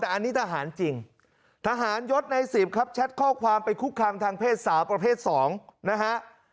อันนี้ทหารจริงทหารยศในสิบครับแชทข้อความไปคุกคลังทางเพศสาวกับเพศสองนะฮะ